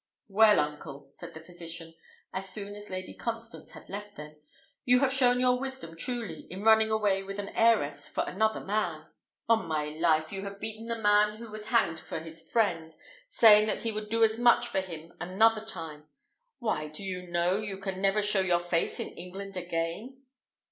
"Well, uncle," said the physician, as soon as Lady Constance had left them, "you have shown your wisdom truly, in running away with an heiress for another man. On my life, you have beaten the man who was hanged for his friend, saying that he would do as much for him another time! Why, do you know, you can never show your face in England again?"